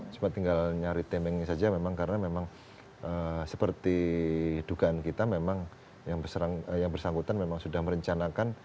cuma tinggal nyari timingnya saja memang karena memang seperti dugaan kita memang yang bersangkutan memang sudah merencanakan